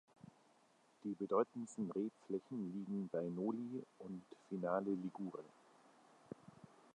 Die bedeutendsten Rebflächen liegen bei Noli und Finale Ligure.